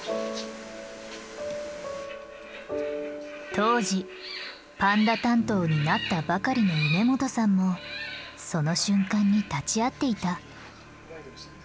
当時パンダ担当になったばかりの梅元さんもその瞬間に立ち会っていた。